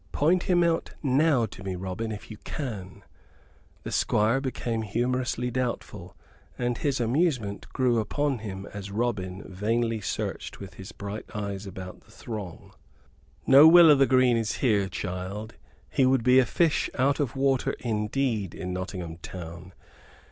"Point him out now to me, Robin, if you can." The Squire became humorously doubtful, and his amusement grew upon him as Robin vainly searched with his bright eyes about the throng. "No Will o' th' Green is here, child; he would be a fish out of water, indeed, in Nottingham town.